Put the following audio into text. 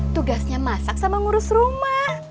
tugasnya masak sama ngurus rumah